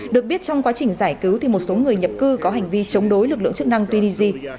được biết trong quá trình giải cứu thì một số người nhập cư có hành vi chống đối lực lượng chức năng tunisia